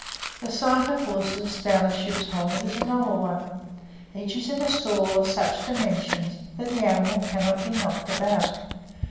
The sight of horses down a ship's hold is a novel one. Each is in a stall of such dimensions that the animal cannot be knocked about.